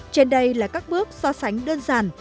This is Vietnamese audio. trên đây là các bước so sánh đơn giản